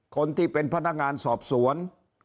คนที่เป็นพนักงานสอบสวน